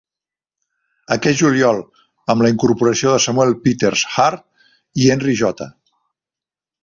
Aquest juliol, amb la incorporació de Samuel Peters Hart i Henry J.